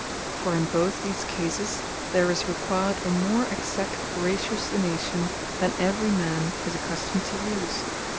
For in both these cases, there is required a more exact ratiocination, than every man is accustomed to use.